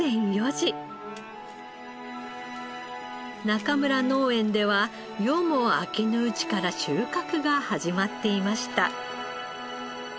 中村農園では夜も明けぬうちから収穫が始まっていました。